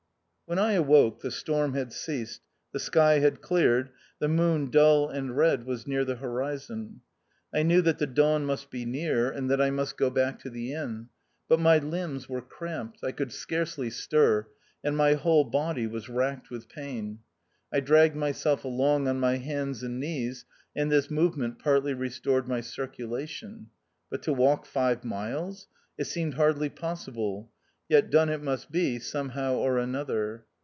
When I awoke, the storm had ceased, the sky had cleared, the moon, dull and red, was near the horizon. I knew that the dawn must be near, and that I must go THE OUTCAST. 137 back to the inn. But my limbs were cramped, I could scarcely stir, and my whole body was racked with pain. I dragged myself along on my hands and knees, and this movement partly restored my circulation. But to walk five miles ! It seemed hardly possible. Yet, done it must be, somehow or another.